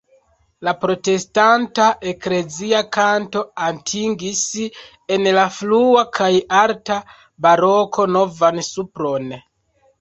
La protestanta eklezia kanto atingis en la frua kaj alta baroko novan supron.